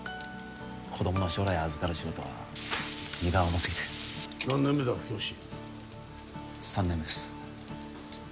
子どもの将来を預かる仕事は荷が重すぎて何年目だ教師３年目です